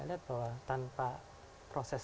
lihat bahwa tanpa proses